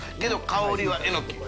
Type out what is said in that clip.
韻香りはえのき。